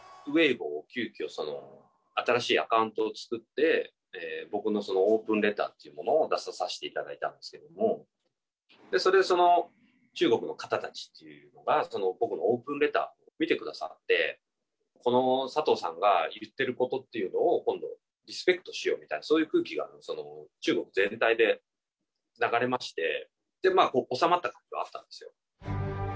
ウェイボーを急きょ、新しいアカウントを作って、僕のオープンレターっていうものを出させていただいたんですけれども、それをその中国の方たちっていうのが、その僕のオープンレターを見てくださって、佐藤さんが言ってることっていうのを今度、リスペクトしようって、そういう空気が中国全体で流れまして、収まったんですよ。